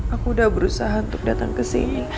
aku udah berusaha untuk datang kesini